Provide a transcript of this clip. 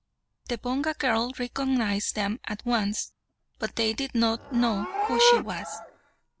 The Bonga girl recognised them at once, but they did not know who she was.